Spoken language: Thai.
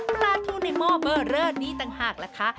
ปลาทูในหม้อเบอร์เรอนี้ต่างหากล่ะคะ